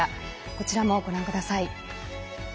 こちらもご覧ください。